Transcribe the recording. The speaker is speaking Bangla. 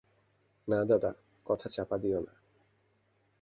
না দাদা, কথা চাপা দিয়ো না।